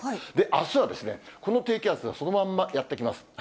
あすはこの低気圧がそのまんまやって来ます。